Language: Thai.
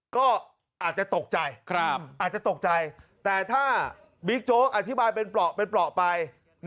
ก็อาจจะตกใจแต่ถ้าบิ๊กโจ๊กอธิบายเป็นเปราะไป